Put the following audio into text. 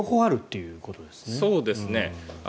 そうですね。